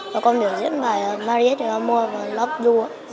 và con biểu diễn bài mariette amour và love you